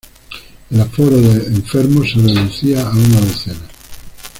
El aforo de enfermos se reducía a una docena.